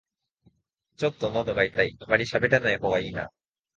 ちょっとのどが痛い、あまりしゃべらない方がいいな